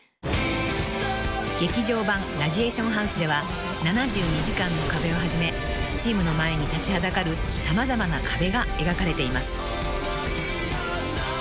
［『劇場版ラジエーションハウス』では７２時間の壁をはじめチームの前に立ちはだかる様々な壁が描かれています］